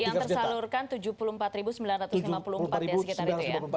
yang tersalurkan tujuh puluh empat sembilan ratus lima puluh empat ya sekitar itu ya